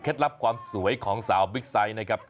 ลับความสวยของสาวบิ๊กไซต์นะครับ